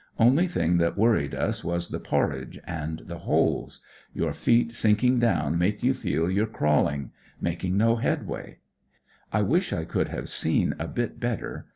Only thing that worried us was the porridge and the holes. Your feet sinking down make you feel you're crawl ing ; making no headway. I wish I could have seen a bit better.